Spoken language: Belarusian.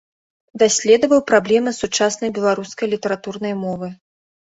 Даследаваў праблемы сучаснай беларускай літаратурнай мовы.